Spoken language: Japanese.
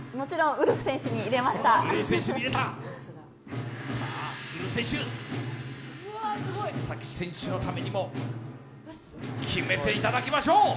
ウルフ選手、須崎選手のためにも決めていただきましょう。